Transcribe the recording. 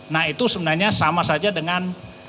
nah itu sebenarnya sama saja dengan